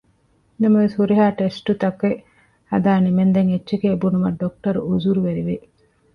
ނަމަވެސް ހުރިހާ ޓެސްޓުތަކެއް ހަދާ ނިމެންދެން އެއްޗެކޭ ބުނުމަށް ޑޮކްޓަރު އުޒުރުވެރި ވި